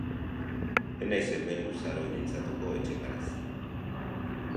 Ez naiz hemen luzaro mintzatuko Etxeparez.